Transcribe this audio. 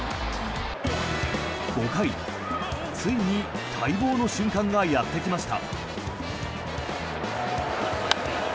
５回、ついに待望の瞬間がやってきました。